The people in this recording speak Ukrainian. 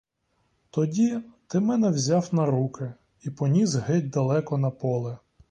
Тоді ти мене взяв на руки і поніс геть далеко на поле.